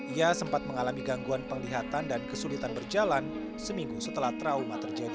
ia sempat mengalami gangguan penglihatan dan kesulitan berjalan seminggu setelah trauma terjadi